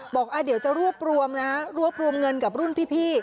บอกเดี๋ยวจะรวบรวมนะฮะรวบรวมเงินกับรุ่นพี่